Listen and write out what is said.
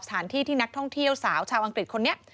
สถานที่ที่นักท่องเที่ยวสาวชาวอังกฤษคนนี้